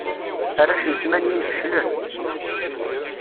Arrac n tmanyin feclen.